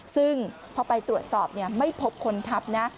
ซึ่งพอไปตรวจสอบไม่พบคนทับนะ